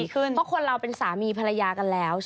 เพราะคนเราเป็นสามีภรรยากันแล้ว